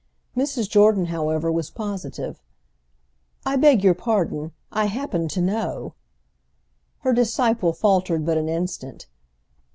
Mrs. Jordan, however, was positive. "I beg your pardon. I happen to know." Her disciple faltered but an instant.